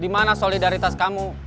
dimana solidaritas kamu